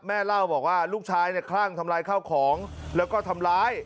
เล่าบอกว่าลูกชายเนี่ยคลั่งทำลายข้าวของแล้วก็ทำร้าย